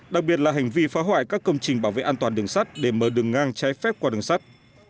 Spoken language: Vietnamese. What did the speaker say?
đặc biệt là hành vi phá hoại các công trình bảo vệ an toàn đường sắt để mở đường ngang trái phép qua đường sắt